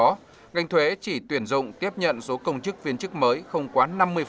trong đó ngành thuế chỉ tuyển dụng tiếp nhận số công chức viên chức mới không quá năm mươi